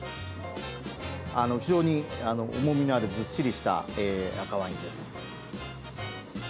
非常に重みのあるずっしりした赤ワインです。